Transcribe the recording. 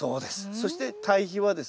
そして堆肥はですね